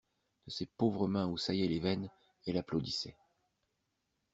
De ses pauvres mains où saillaient les veines, elle applaudissait.